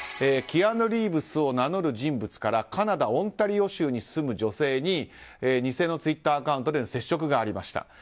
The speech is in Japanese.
キアヌ・リーブスを名乗る人物からカナダ・オンタリオ州に住む女性に偽のツイッターアカウントで接触がありました。